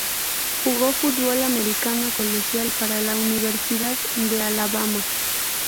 Jugó fútbol americano colegial para la Universidad de Alabama.